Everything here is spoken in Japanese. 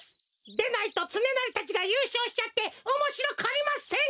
でないとつねなりたちがゆうしょうしちゃっておもしろくありません。